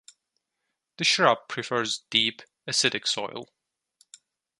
The shrub prefers deep, acidic soil.